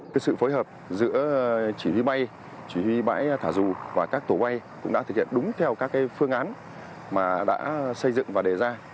cái sự phối hợp giữa chỉ huy bay chỉ huy bãi thả dù và các tổ bay cũng đã thực hiện đúng theo các phương án mà đã xây dựng và đề ra